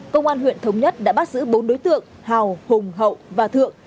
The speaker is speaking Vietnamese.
công an huyện thống nhất đã bác sử bốn đối tượng hào hùng hậu và thượng